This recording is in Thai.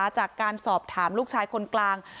จากการสอบถามลูกชายคนกลาง